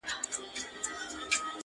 لېري لېري له دې نورو څه او سېږي.